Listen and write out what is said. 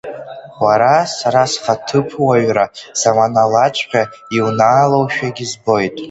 Уара, сара схаҭыԥуаҩра заманалаҵәҟьа иунаалоушәагьы збоит!